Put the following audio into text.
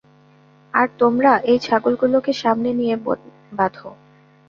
আর তোমরা, ওই ছাগলগুলোকে সামনে নিয়ে বাঁধো।